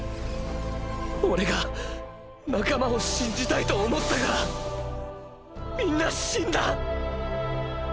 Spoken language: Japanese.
オレが仲間を信じたいと思ったからみんな死んだ。